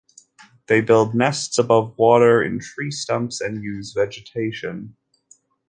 They build nests above water in tree stumps and use vegetation.